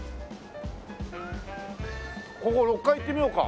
ここ６階行ってみようか。